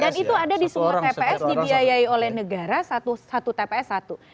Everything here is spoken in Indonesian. dan itu ada di semua tps dibiayai oleh negara satu tps satu